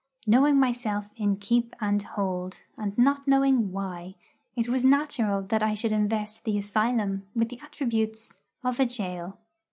Knowing myself in keep and hold, and not knowing why, it was natural that I should invest the asylum with the attributes of a gaol.